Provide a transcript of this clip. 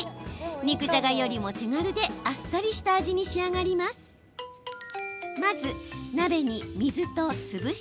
肉じゃがよりも手軽であっさりした味に仕上がります。